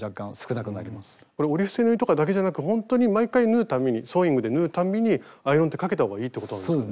これ折り伏せ縫いとかだけじゃなくほんとに毎回縫う度にソーイングで縫う度にアイロンってかけたほうがいいってことなんですか？